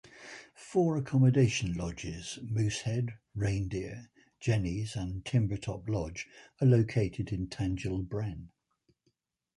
Four accommodation lodges, Mooshead, Reindeer, Jenny's and Timbertop Lodge, are located in Tanjil Bren.